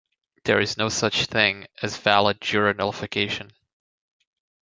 There is no such thing as valid jury nullification.